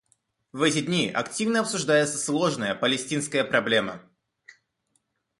В эти дни активно обсуждается сложная палестинская проблема.